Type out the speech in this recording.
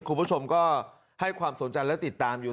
คุณผู้ชมก็ให้ความสนใจและติดตามอยู่